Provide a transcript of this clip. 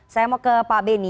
saya mau ke pak beni